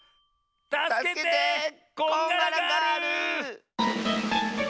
たすけてこんがらガール！